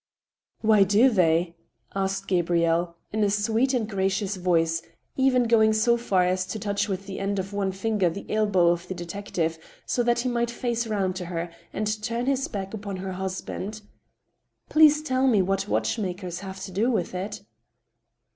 " Why do they ?" asked Gabrielle, in a sweet and gracious voice, even going so far as to touch with the end of one finger the elbow of the detective, so that he might face round to her and turn his back upon her husband, " please tell me what watch makers have to do with it?"